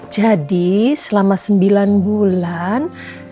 jadi selama sembilan bulan